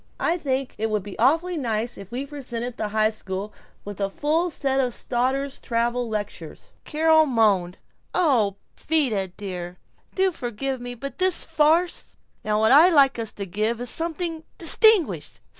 I think it would be awfully nice if we presented the high school with a full set of Stoddard's travel lectures!" Carol moaned, "Oh, but Vida dear, do forgive me but this farce Now what I'd like us to give is something distinguished.